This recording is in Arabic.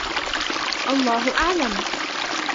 الله أعلم.